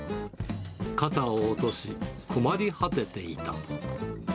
肩を落とし、困り果てていた。